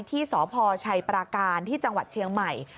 ที่สพชัยปราการที่จังหวัดเชียงใหม่